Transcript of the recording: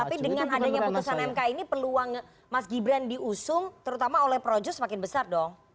tapi dengan adanya putusan mk ini peluang mas gibran diusung terutama oleh projo semakin besar dong